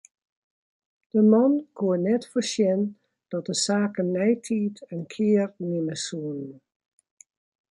De man koe net foarsjen dat de saken neitiid in kear nimme soene.